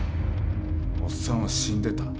おっさんは死んでた。